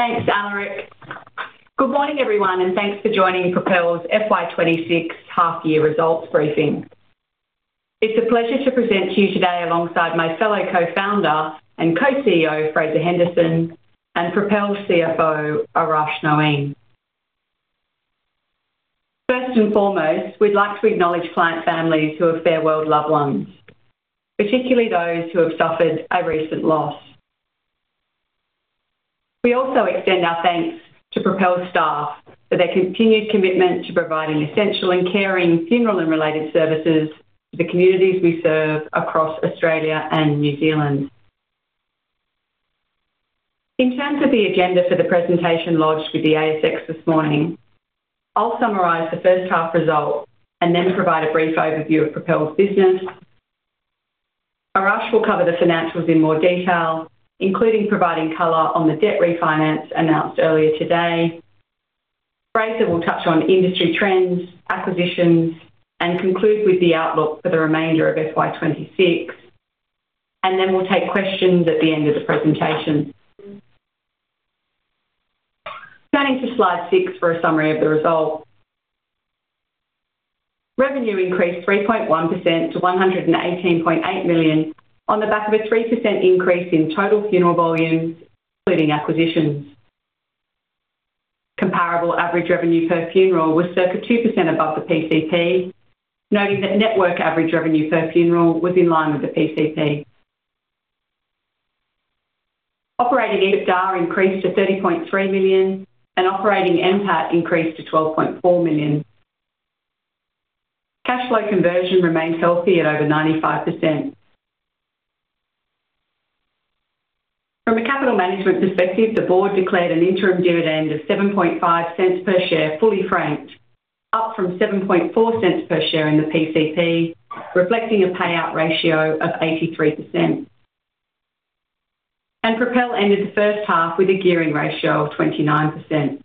Thanks, Alaric. Good morning, everyone, thanks for joining Propel's FY 2026 half year results briefing. It's a pleasure to present to you today alongside my fellow Co-Founder and Co-CEO, Fraser Henderson, and Propel's CFO, Arash Noaeen. First and foremost, we'd like to acknowledge client families who have farewelled loved ones, particularly those who have suffered a recent loss. We also extend our thanks to Propel staff for their continued commitment to providing essential and caring funeral and related services to the communities we serve across Australia and New Zealand. In terms of the agenda for the presentation lodged with the ASX this morning, I'll summarize the first half results, then provide a brief overview of Propel's business. Arash will cover the financials in more detail, including providing color on the debt refinance announced earlier today. Fraser will touch on industry trends, acquisitions, and conclude with the outlook for the remainder of FY 2026, and then we'll take questions at the end of the presentation. Turning to Slide 6 for a summary of the results. Revenue increased 3.1% to 118.8 million on the back of a 3% increase in total funeral volumes, including acquisitions. Comparable average revenue per funeral was circa 2% above the PCP, noting that network average revenue per funeral was in line with the PCP. Operating EBITDA increased to 30.3 million, and operating NPAT increased to 12.4 million. Cash flow conversion remains healthy at over 95%. From a capital management perspective, the Board declared an interim dividend of 0.075 per share, fully franked, up from 0.074 per share in the PCP, reflecting a payout ratio of 83%. Propel ended the first half with a gearing ratio of 29%.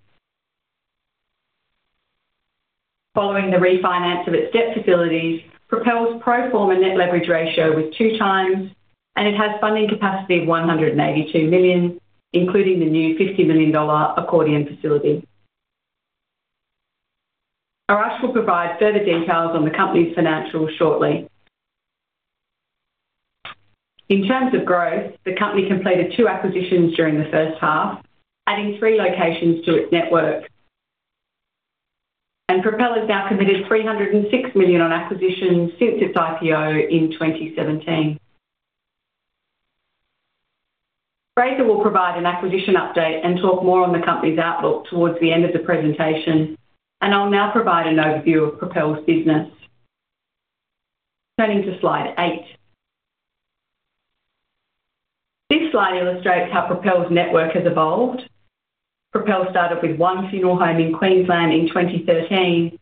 Following the refinance of its debt facilities, Propel's pro forma net leverage ratio was 2.0x, and it has funding capacity of 182 million, including the new 50 million dollar accordion facility. Arash will provide further details on the company's financials shortly. In terms of growth, the company completed two acquisitions during the first half, adding three locations to its network. Propel has now committed 306 million on acquisitions since its IPO in 2017. Fraser will provide an acquisition update and talk more on the company's outlook towards the end of the presentation. I'll now provide an overview of Propel's business. Turning to Slide 8. This slide illustrates how Propel's network has evolved. Propel started with one funeral home in Queensland in 2013.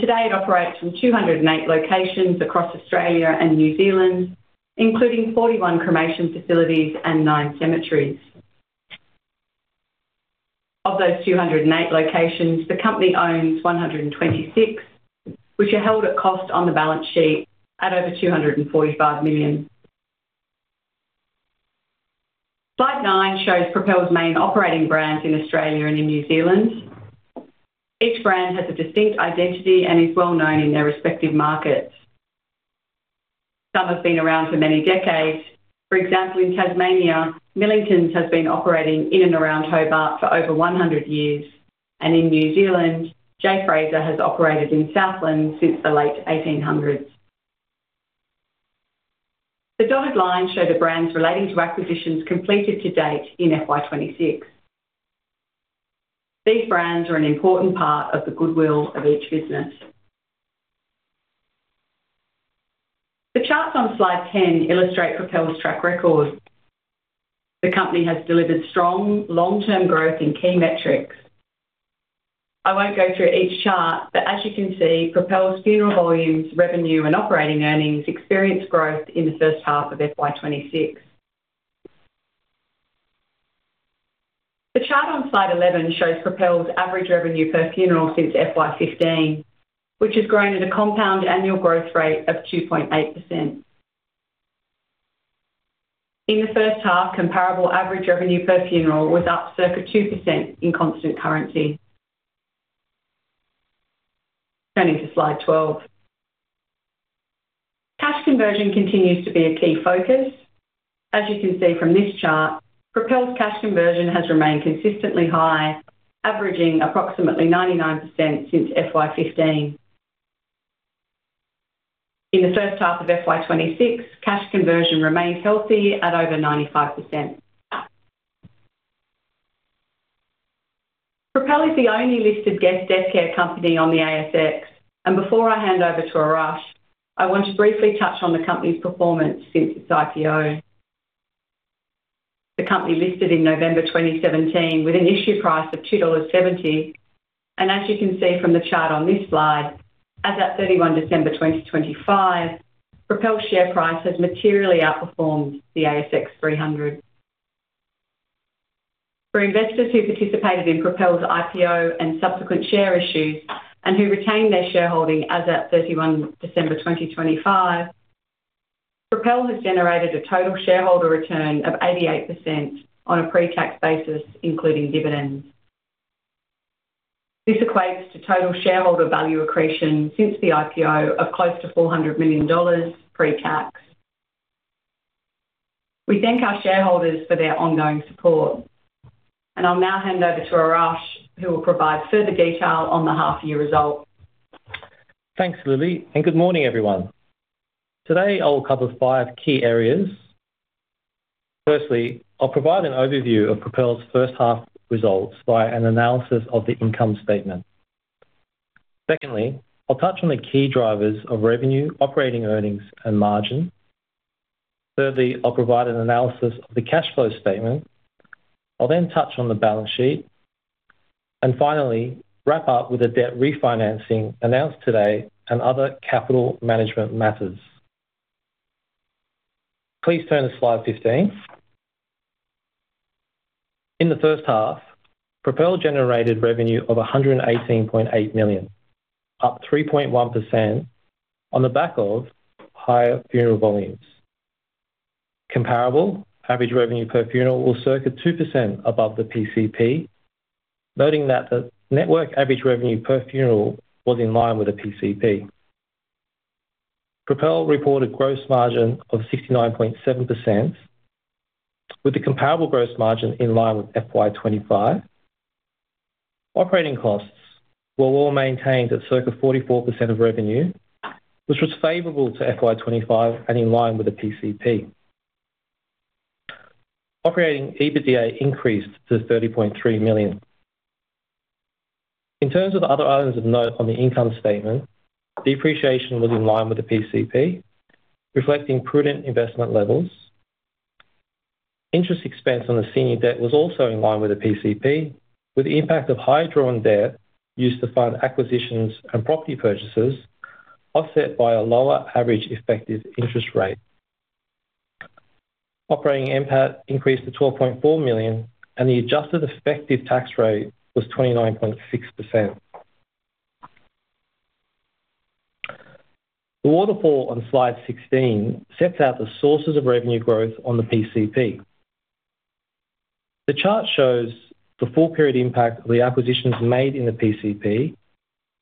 Today it operates from 208 locations across Australia and New Zealand, including 41 cremation facilities and nine cemeteries. Of those 208 locations, the company owns 126, which are held at cost on the balance sheet at over 245 million. Slide 9 shows Propel's main operating brands in Australia and in New Zealand. Each brand has a distinct identity and is well known in their respective markets. Some have been around for many decades. For example, in Tasmania, Millingtons has been operating in and around Hobart for over 100 years, and in New Zealand, J. Fraser has operated in Southland since the late 1800s. The dotted lines show the brands relating to acquisitions completed to date in FY 2026. These brands are an important part of the goodwill of each business. The charts on Slide 10 illustrate Propel's track record. The company has delivered strong, long-term growth in key metrics. I won't go through each chart, but as you can see, Propel's funeral volumes, revenue, and operating earnings experienced growth in the first half of FY 2026. The chart on Slide 11 shows Propel's average revenue per funeral since FY 2015, which has grown at a compound annual growth rate of 2.8%. In the first half, comparable average revenue per funeral was up circa 2% in constant currency. Turning to Slide 12. Cash conversion continues to be a key focus. As you can see from this chart, Propel's cash conversion has remained consistently high, averaging approximately 99% since FY 2015. In the first half of FY 2026, cash conversion remained healthy at over 95%. Propel is the only listed death, death care company on the ASX, and before I hand over to Arash, I want to briefly touch on the company's performance since its IPO. The company listed in November 2017 with an issue price of 2.70 dollars, and as you can see from the chart on this slide, as at December 31, 2025, Propel's share price has materially outperformed the ASX 300. For investors who participated in Propel's IPO and subsequent share issues, and who retained their shareholding as at December 31, 2025, Propel has generated a total shareholder return of 88% on a pre-tax basis, including dividends. This equates to total shareholder value accretion since the IPO of close to 400 million dollars pre-tax. I'll now hand over to Arash, who will provide further detail on the half-year results. Thanks, Lilli. Good morning, everyone. Today, I will cover five key areas. Firstly, I'll provide an overview of Propel's first half results by an analysis of the income statement. Secondly, I'll touch on the key drivers of revenue, operating earnings, and margin. Thirdly, I'll provide an analysis of the cash flow statement. I'll touch on the balance sheet and finally, wrap up with the debt refinancing announced today and other capital management matters. Please turn to Slide 15. In the first half, Propel generated revenue of 118.8 million, up 3.1% on the back of higher funeral volumes. Comparable average revenue per funeral was circa 2% above the PCP, noting that the network average revenue per funeral was in line with the PCP. Propel reported gross margin of 69.7%, with the comparable gross margin in line with FY 2025. Operating costs were well maintained at circa 44% of revenue, which was favorable to FY 2025 and in line with the PCP. Operating EBITDA increased to 30.3 million. In terms of the other items of note on the income statement, depreciation was in line with the PCP, reflecting prudent investment levels. Interest expense on the senior debt was also in line with the PCP, with the impact of higher drawn debt used to fund acquisitions and property purchases, offset by a lower average effective interest rate. Operating NPAT increased to 12.4 million, and the adjusted effective tax rate was 29.6%. The waterfall on Slide 16 sets out the sources of revenue growth on the PCP. The chart shows the full period impact of the acquisitions made in the PCP,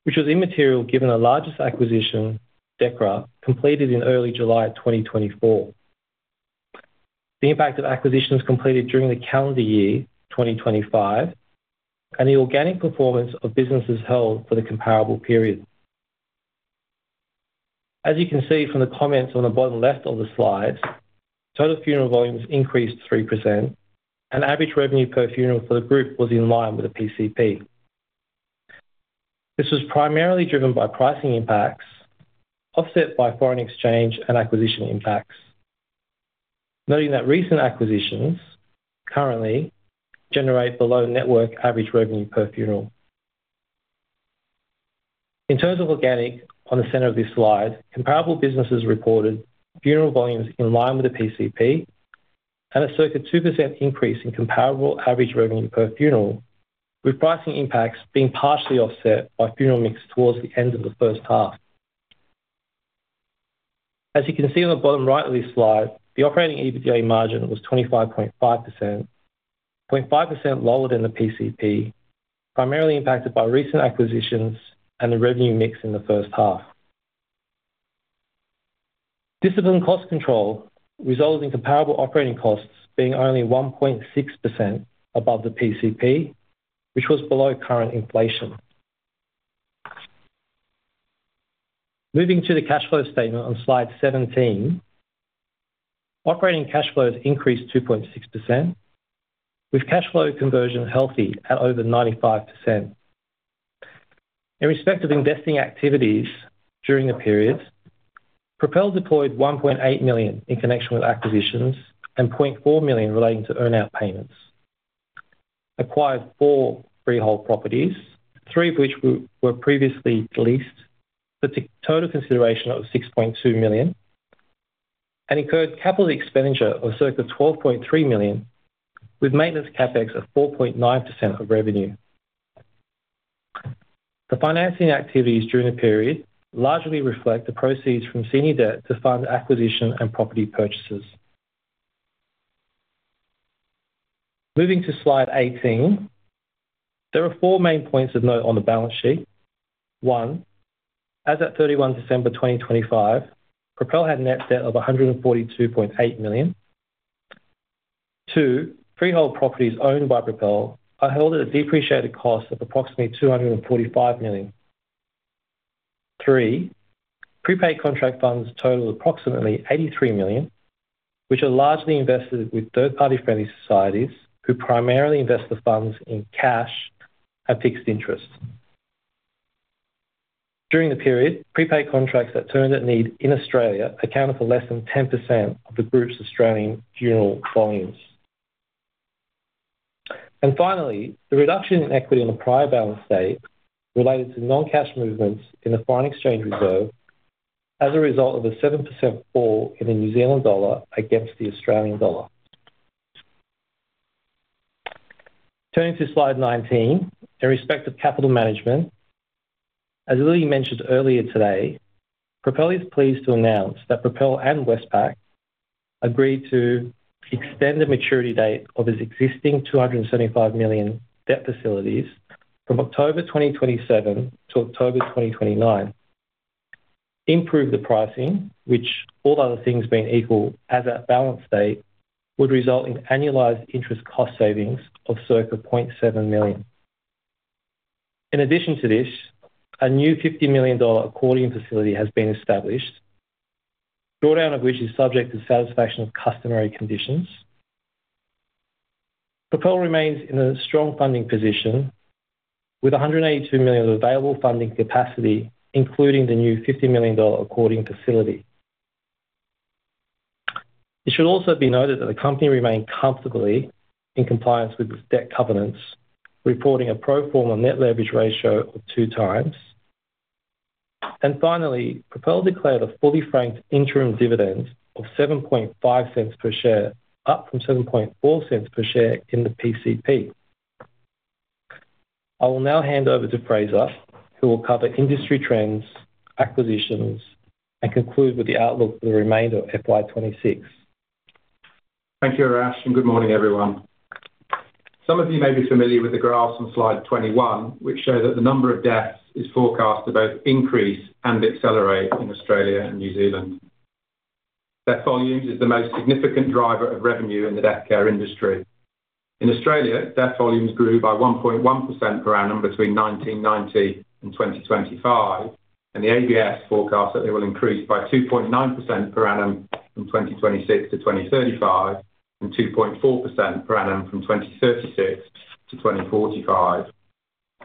which was immaterial, given the largest acquisition, Decra, completed in early July of 2024. The impact of acquisitions completed during the calendar year, 2025, and the organic performance of businesses held for the comparable period. As you can see from the comments on the bottom left of the slide, total funeral volumes increased 3%, and average revenue per funeral for the group was in line with the PCP. This was primarily driven by pricing impacts, offset by foreign exchange and acquisition impacts. Noting that recent acquisitions currently generate below network average revenue per funeral. In terms of organic, on the center of this slide, comparable businesses reported funeral volumes in line with the PCP and a circa 2% increase in comparable average revenue per funeral, with pricing impacts being partially offset by funeral mix towards the end of the first half. As you can see on the bottom right of this slide, the operating EBITDA margin was 25.5%, 0.5% lower than the PCP, primarily impacted by recent acquisitions and the revenue mix in the first half. Disciplined cost control resulted in comparable operating costs being only 1.6% above the PCP, which was below current inflation. Moving to the cash flow statement on Slide 17, operating cash flows increased 2.6%, with cash flow conversion healthy at over 95%. In respect of investing activities during the period, Propel deployed 1.8 million in connection with acquisitions and 0.4 million relating to earn-out payments. Acquired four freehold properties, three of which were previously leased, for total consideration of 6.2 million, and incurred capital expenditure of circa 12.3 million, with maintenance CapEx of 4.9% of revenue. The financing activities during the period largely reflect the proceeds from senior debt to fund acquisition and property purchases. Moving to Slide 18, there are four main points of note on the balance sheet. One, as at December 31, 2025, Propel had a net debt of 142.8 million. Two, freehold properties owned by Propel are held at a depreciated cost of approximately 245 million. Three, prepaid contract funds total approximately 83 million, which are largely invested with third-party friendly societies, who primarily invest the funds in cash at fixed interest. During the period, prepaid contracts that turned at need in Australia accounted for less than 10% of the group's Australian funeral volumes. Finally, the reduction in equity on the prior balance date related to non-cash movements in the foreign exchange reserve as a result of a 7% fall in the New Zealand dollar against the Australian dollar. Turning to Slide 19, in respect of capital management, as Lilli mentioned earlier today, Propel is pleased to announce that Propel and Westpac agreed to extend the maturity date of its existing 275 million debt facilities from October 2027 to October 2029. Improve the pricing, which all other things being equal at that balance date, would result in annualized interest cost savings of circa 0.7 million. In addition to this, a new 50 million dollar accordion facility has been established, drawdown of which is subject to satisfaction of customary conditions. Propel remains in a strong funding position, with 182 million of available funding capacity, including the new 50 million dollar accordion facility. It should also be noted that the company remained comfortably in compliance with its debt covenants, reporting a pro forma net leverage ratio of 2.0x. Finally, Propel declared a fully franked interim dividend of 0.075 per share, up from 0.074 per share in the PCP. I will now hand over to Fraser, who will cover industry trends, acquisitions, and conclude with the outlook for the remainder of FY 2026. Thank you, Arash. Good morning, everyone. Some of you may be familiar with the graphs on Slide 21, which show that the number of deaths is forecast to both increase and accelerate in Australia and New Zealand. Death volumes is the most significant driver of revenue in the death care industry. In Australia, death volumes grew by 1.1% per annum between 1990 and 2025, and the ABS forecasts that they will increase by 2.9% per annum from 2026 to 2035, and 2.4% per annum from 2036 to 2045.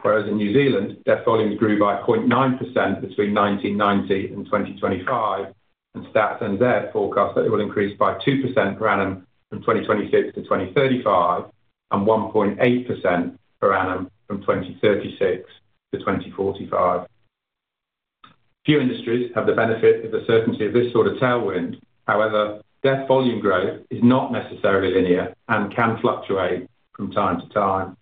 Whereas in New Zealand, death volumes grew by 0.9% between 1990 and 2025, and Stats NZ forecast that it will increase by 2% per annum from 2026 to 2035, and 1.8% per annum from 2036 to 2045. Few industries have the benefit of the certainty of this sort of tailwind. However, death volume growth is not necessarily linear and can fluctuate from time to time.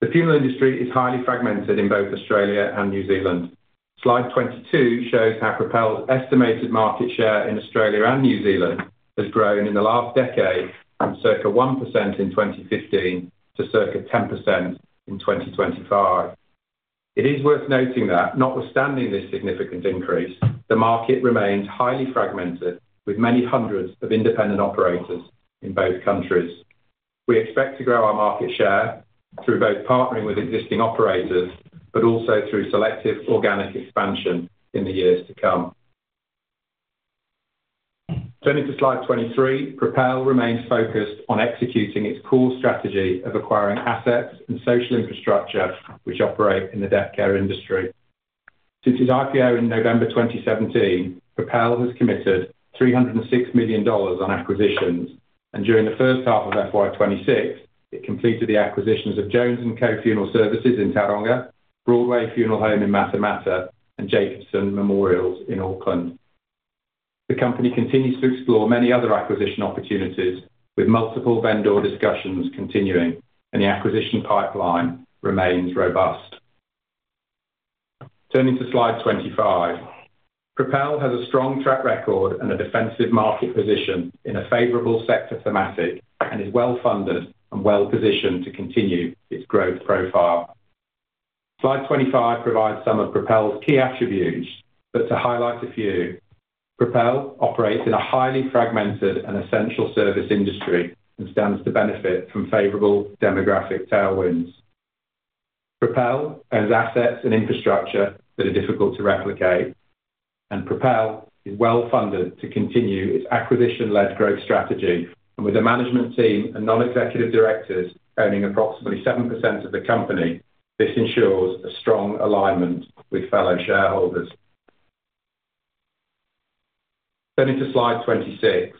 The funeral industry is highly fragmented in both Australia and New Zealand. Slide 22 shows how Propel's estimated market share in Australia and New Zealand has grown in the last decade from circa 1% in 2015 to circa 10% in 2025. It is worth noting that notwithstanding this significant increase, the market remains highly fragmented, with many hundreds of independent operators in both countries. We expect to grow our market share through both partnering with existing operators, but also through selective organic expansion in the years to come. Turning to Slide 23, Propel remains focused on executing its core strategy of acquiring assets and social infrastructure which operate in the death care industry. Since its IPO in November 2017, Propel has committed 306 million dollars on acquisitions, and during the first half of FY 2026, it completed the acquisitions of Jones & Co Funeral Services in Tauranga, Broadway Funeral Home in Matamata, and Jacobsen Memorials in Auckland. The company continues to explore many other acquisition opportunities, with multiple vendor discussions continuing, and the acquisition pipeline remains robust. Turning to Slide 25, Propel has a strong track record and a defensive market position in a favorable sector thematic, and is well-funded and well-positioned to continue its growth profile. Slide 25 provides some of Propel's key attributes. To highlight a few, Propel operates in a highly fragmented and essential service industry and stands to benefit from favorable demographic tailwinds. Propel owns assets and infrastructure that are difficult to replicate. Propel is well-funded to continue its acquisition-led growth strategy. With a management team and non-executive directors owning approximately 7% of the company, this ensures a strong alignment with fellow shareholders. Turning to Slide 26,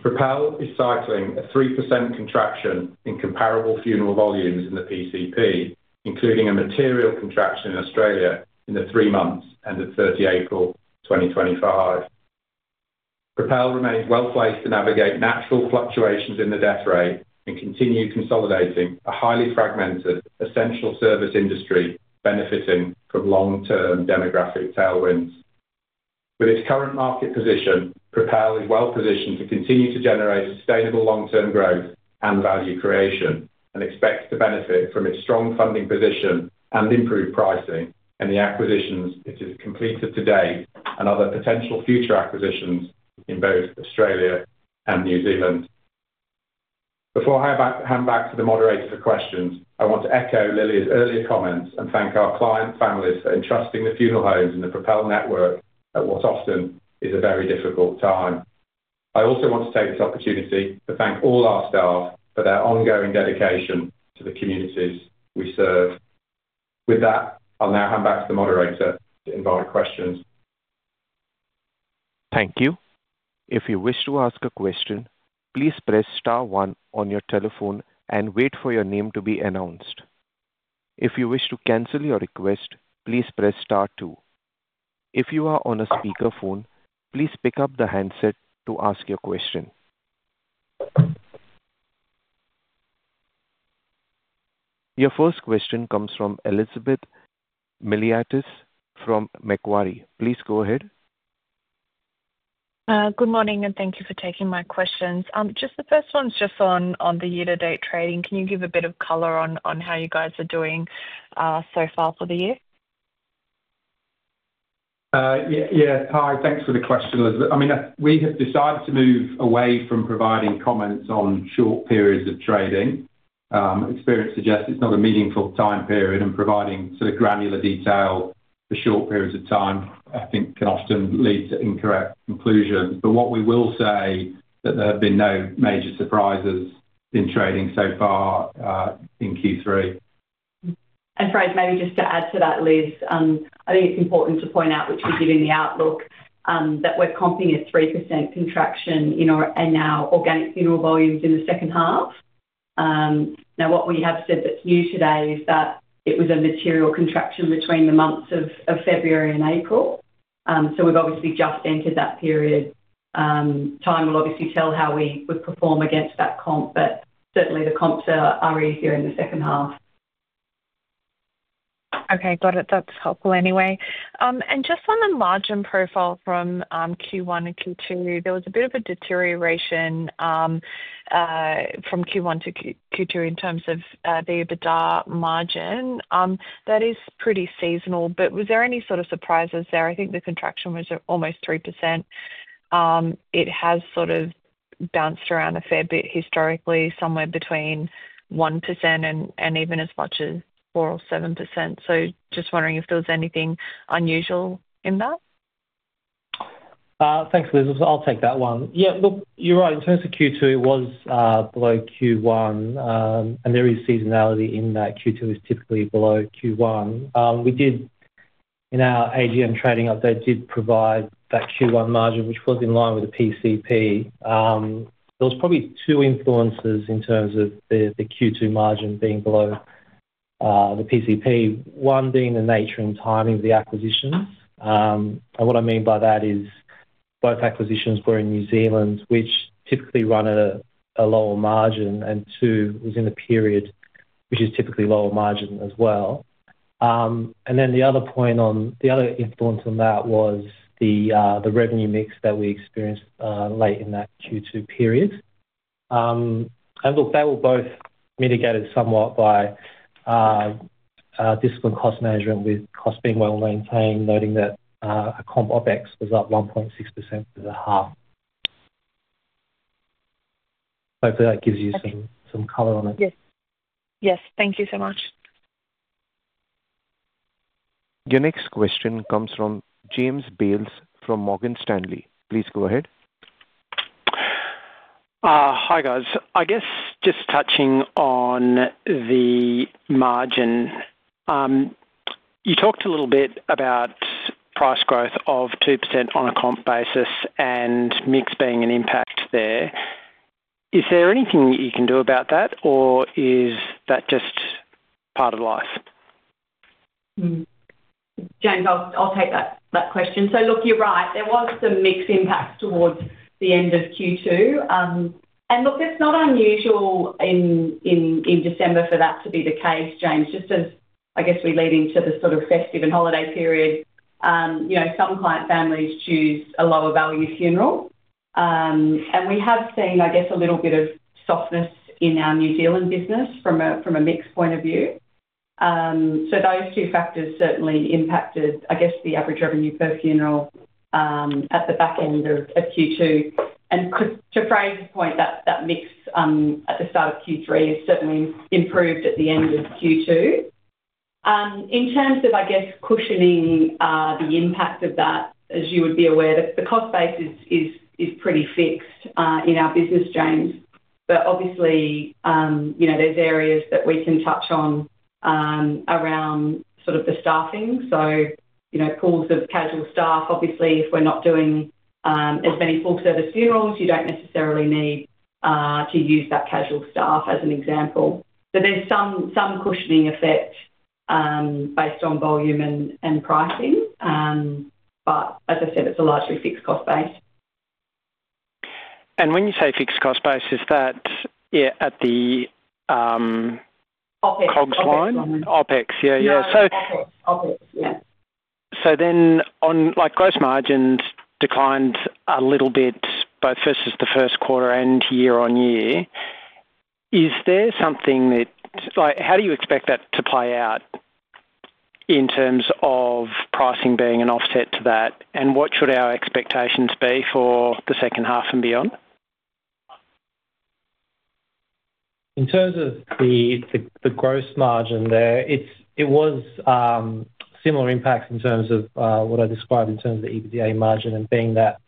Propel is citing a 3% contraction in comparable funeral volumes in the PCP, including a material contraction in Australia in the three months, ended 30 April 2025. Propel remains well-placed to navigate natural fluctuations in the death rate and continue consolidating a highly fragmented, essential service industry benefiting from long-term demographic tailwinds. With its current market position, Propel is well positioned to continue to generate sustainable long-term growth and value creation, and expects to benefit from its strong funding position and improved pricing and the acquisitions it has completed today, and other potential future acquisitions in both Australia and New Zealand. Before I hand back to the moderator for questions, I want to echo Lilli's earlier comments and thank our client families for entrusting the funeral homes and the Propel network at what often is a very difficult time. I also want to take this opportunity to thank all our staff for their ongoing dedication to the communities we serve. With that, I'll now hand back to the moderator to invite questions. Thank you. If you wish to ask a question, please press star one on your telephone and wait for your name to be announced. If you wish to cancel your request, please press star two. If you are on a speakerphone, please pick up the handset to ask your question. Your first question comes from Elizabeth Miliatis from Macquarie. Please go ahead. Good morning, thank you for taking my questions. Just the first one is just on, on the year-to-date trading. Can you give a bit of color on, on how you guys are doing so far for the year? Yeah, yeah. Hi, thanks for the question, Elizabeth. I mean, we have decided to move away from providing comments on short periods of trading. Experience suggests it's not a meaningful time period, and providing sort of granular detail for short periods of time, I think can often lead to incorrect conclusions. What we will say that there have been no major surprises in trading so far, in Q3. And Fraser, maybe just to add to that, Liz, I think it's important to point out, which we give in the outlook, that we're comping a 3% contraction in our, in our organic funeral volumes in the second half. Now, what we have said that's new today is that it was a material contraction between the months of, of February and April. So we've obviously just entered that period. Time will obviously tell how we would perform against that comp, but certainly the comps are, are easier in the second half. Okay, got it. That's helpful anyway. Just on the margin profile from Q1 and Q2, there was a bit of a deterioration from Q1 to Q2 in terms of the EBITDA margin. That is pretty seasonal, but was there any sort of surprises there? I think the contraction was almost 3%. It has sort of bounced around a fair bit historically, somewhere between 1% and even as much as 4% or 7%. Just wondering if there was anything unusual in that. Thanks, Liz. I'll take that one. Yeah, look, you're right. In terms of Q2, it was below Q1. There is seasonality in that Q2 is typically below Q1. We did in our AGM trading update, did provide that Q1 margin, which was in line with the PCP. There was probably two influences in terms of the Q2 margin being below the PCP. One being the nature and timing of the acquisitions. What I mean by that is both acquisitions were in New Zealand, which typically run at a lower margin, and two, was in a period which is typically lower margin as well. Then the other influence on that was the revenue mix that we experienced late in that Q2 period. Look, they were both mitigated somewhat by disciplined cost management, with cost being well maintained, noting that a comp OpEx was up 1.6% for the half. Hopefully, that gives you some, some color on it. Yes. Yes. Thank you so much. Your next question comes from James Bales, from Morgan Stanley. Please go ahead. Hi, guys. I guess just touching on the margin. You talked a little bit about price growth of 2% on a comp basis and mix being an impact there. Is there anything you can do about that, or is that just part of life? Mm. James, I'll, I'll take that, that question. Look, you're right. There was some mix impact towards the end of Q2. Look, that's not unusual in, in, in December for that to be the case, James, just as I guess we lead into the sort of festive and holiday period. You know, some client families choose a lower value funeral, and we have seen, I guess, a little bit of softness in our New Zealand business from a, from a mix point of view. Those two factors certainly impacted, I guess, the average revenue per funeral at the back end of, of Q2. To Fraze's point, that, that mix at the start of Q3 has certainly improved at the end of Q2. In terms of, I guess, cushioning, the impact of that, as you would be aware, the, the cost base is, is, is pretty fixed, in our business, James. Obviously, you know, there's areas that we can touch on, around sort of the staffing. You know, pools of casual staff. Obviously, if we're not doing, as many full-service funerals, you don't necessarily need to use that casual staff as an example. There's some, some cushioning effect, based on volume and, and pricing. As I said, it's a largely fixed cost base. When you say fixed cost base, is that, yeah, at the. OpEx. COGS line? OpEx. Yeah, yeah. OpEx. OpEx, yeah. Then on, like, gross margins declined a little bit, both versus the first quarter and year-on-year. Is there something that, like, how do you expect that to play out in terms of pricing being an offset to that? What should our expectations be for the second half and beyond? In terms of the gross margin there, it was similar impacts in terms of what I described in terms of the EBITDA margin and being that,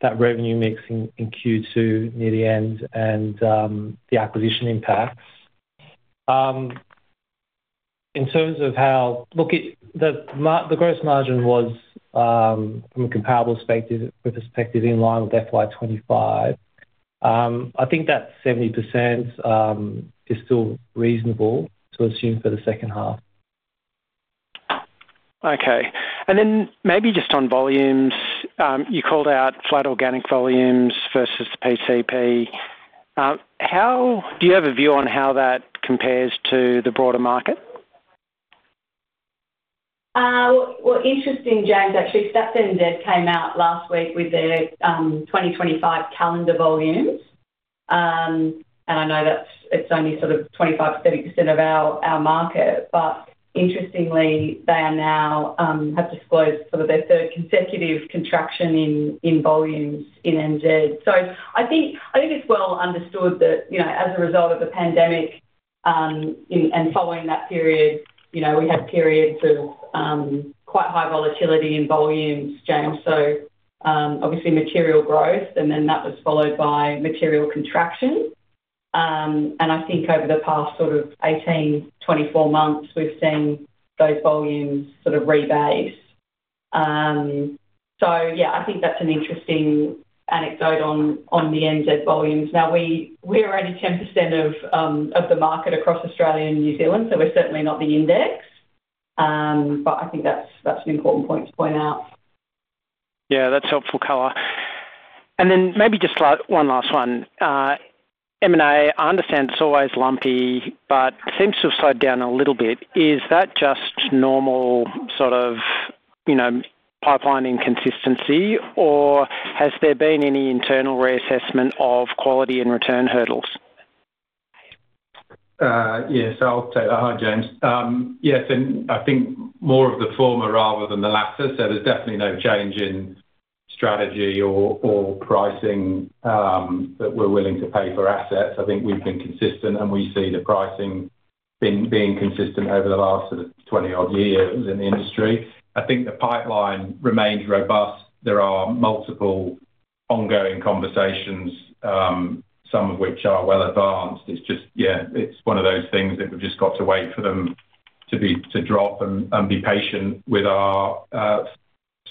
that revenue mix in Q2 near the end and the acquisition impacts. In terms of how Look, it, the gross margin was from a comparable perspective, in line with FY 2025. I think that 70% is still reasonable to assume for the second half. Okay. Then maybe just on volumes, you called out flat organic volumes versus PCP. Do you have a view on how that compares to the broader market? Well, interesting, James, actually, Stats NZ came out last week with their 2025 calendar volumes. I know that's, it's only sort of 25%-30% of our, our market, but interestingly, they are now have disclosed sort of their third consecutive contraction in, in volumes in NZ. I think, I think it's well understood that, you know, as a result of the pandemic, and, and following that period, you know, we had periods of quite high volatility in volumes, James. Obviously, material growth, and then that was followed by material contraction. I think over the past sort of 18, 24 months, we've seen those volumes sort of rebase. Yeah, I think that's an interesting anecdote on, on the NZ volumes. We, we're only 10% of the market across Australia and New Zealand, so we're certainly not the index. I think that's, that's an important point to point out. Yeah, that's helpful color. Then maybe just like one last one. M&A, I understand it's always lumpy, but seems to have slowed down a little bit. Is that just normal sort of, you know, pipeline inconsistency, or has there been any internal reassessment of quality and return hurdles? Yes, I'll take that. Hi, James. Yes, I think more of the former rather than the latter. There's definitely no change in strategy or pricing that we're willing to pay for assets. I think we've been consistent, we see the pricing being consistent over the last sort of 20-odd years in the industry. I think the pipeline remains robust. There are multiple ongoing conversations, some of which are well advanced. It's just, yeah, it's one of those things that we've just got to wait for them to be, to drop and be patient with our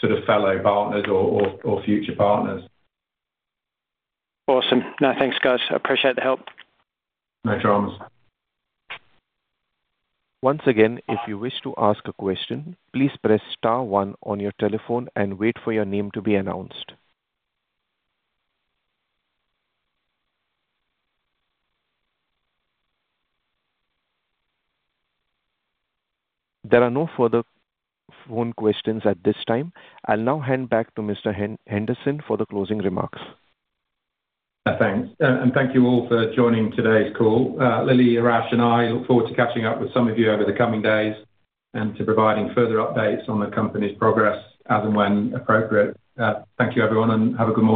sort of fellow partners or future partners. Awesome. Now, thanks, guys. I appreciate the help. No problem. Once again, if you wish to ask a question, please press star one on your telephone and wait for your name to be announced. There are no further phone questions at this time. I'll now hand back to Mr. Henderson for the closing remarks. Thanks. Thank you all for joining today's call. Lilli, Arash, and I look forward to catching up with some of you over the coming days and to providing further updates on the company's progress as and when appropriate. Thank you, everyone, and have a good morning.